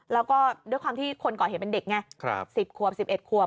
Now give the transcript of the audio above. แล้วก็ด้วยความที่คนก่อเหตุเป็นเด็กไง๑๐ขวบ๑๑ขวบ